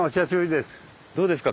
どうですか？